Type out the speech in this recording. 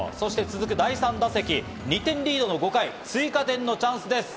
そして続く、第３打席２点リードの５回、追加点のチャンスです。